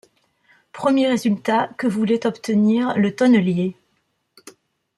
Premier résultat que voulait obtenir le tonnelier.